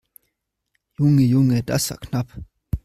Junge, Junge, das war knapp!